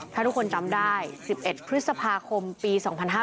ถ้าทุกคนจำได้๑๑พฤษภาคมปี๒๕๕๙